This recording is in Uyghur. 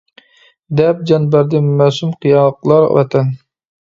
دەپ جان بەردى مەسۇم قىياقلار ۋەتەن!